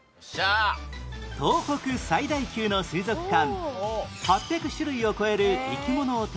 東北最大級の水族館